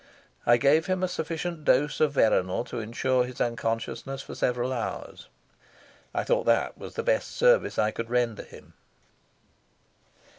I gave him a sufficient dose of veronal to insure his unconsciousness for several hours. I thought that was the best service I could render him.